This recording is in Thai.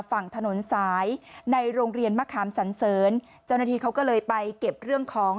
ฝั่งถนนสายในโรงเรียนมะขามสันเสริญเจ้าหน้าที่เขาก็เลยไปเก็บเรื่องของ